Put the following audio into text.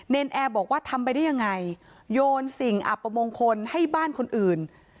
นแอร์บอกว่าทำไปได้ยังไงโยนสิ่งอับประมงคลให้บ้านคนอื่น